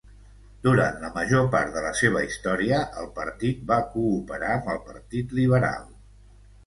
Durant la major part de la seva història, el partit va cooperar amb el Partit Liberal.